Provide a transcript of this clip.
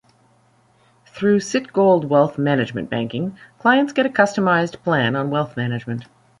Through Citigold Wealth Management Banking, clients get a customized plan on wealth management.